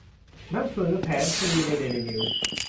หนังสือแถมฟรีในเดลินิวส์